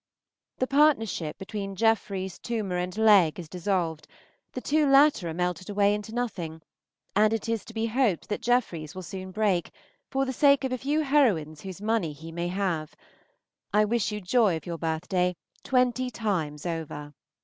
The partnership between Jeffereys, Toomer, and Legge is dissolved; the two latter are melted away into nothing, and it is to be hoped that Jeffereys will soon break, for the sake of a few heroines whose money he may have. I wish you joy of your birthday twenty times over.